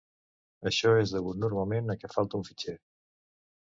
Això és degut normalment a què falta un fitxer.